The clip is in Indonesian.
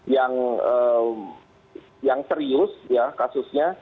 yang serius ya kasusnya